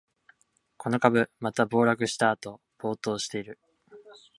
この株、また暴落したあと暴騰してる